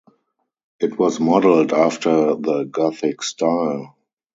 It was modelled after the Gothic style.